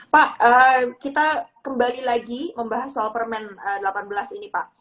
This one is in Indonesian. pak kita kembali lagi membahas soal permen delapan belas ini pak